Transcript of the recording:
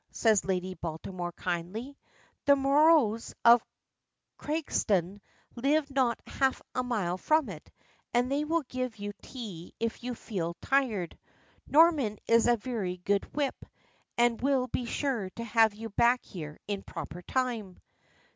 says Lady Baltimore kindly. "The Morroghs of Creaghstown live not half a mile from it, and they will give you tea if you feel tired; Norman is a very good whip, and will be sure to have you back here in proper time."